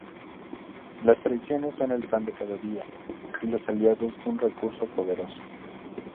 Las traiciones son el pan de cada día, y los aliados un recurso poderoso.